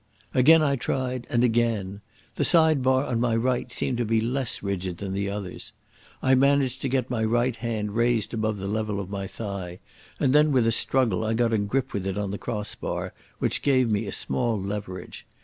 Again I tried, and again. The side bar on my right seemed to be less rigid than the others. I managed to get my right hand raised above the level of my thigh, and then with a struggle I got a grip with it on the cross bar, which gave me a small leverage.